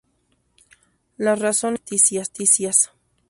Las razones son ficticias.